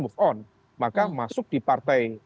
move on maka masuk di partai